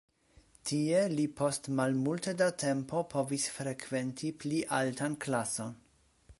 Tie li post malmulte da tempo povis frekventi pli altan klason.